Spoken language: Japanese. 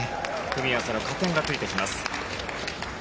組み合わせの加点がついてきます。